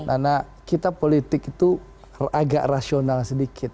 nana kita politik itu agak rasional sedikit